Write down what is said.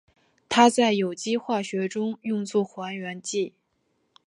它在有机化学中用作还原剂。